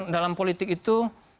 dalam politik itu